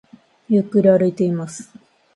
ゆっくり歩いています